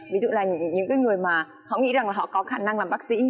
ví dụ là những người mà họ nghĩ rằng là họ có khả năng làm bác sĩ